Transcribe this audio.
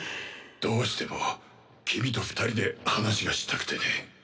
どうしても君と２人で話がしたくてね。